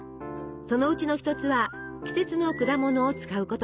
そのうちの一つは季節の果物を使うこと。